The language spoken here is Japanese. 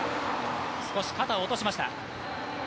少し肩を落としました。